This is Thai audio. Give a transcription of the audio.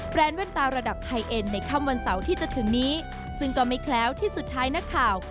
แว่นตาระดับไฮเอ็นในค่ำวันเสาร์ที่จะถึงนี้ซึ่งก็ไม่แคล้วที่สุดท้ายนักข่าว